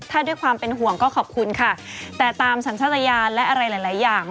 ถ้าด้วยความเป็นห่วงก็ขอบคุณค่ะแต่ตามสัญชาติยานและอะไรหลายหลายอย่าง